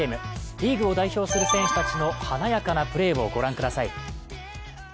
リーグを代表する選手たちの華やかなプレーをご覧ください。